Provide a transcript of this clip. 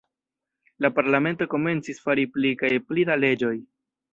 La parlamento komencis fari pli kaj pli da leĝoj.